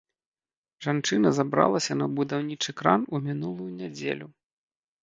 Жанчына забралася на будаўнічы кран у мінулую нядзелю.